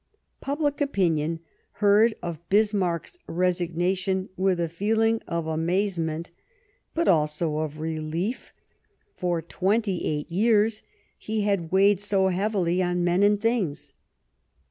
Public opinion heard of Bismarck's resignation with a feehng of amazement, but also of relief ; for twenty eight years he had weighed so heavily on men and things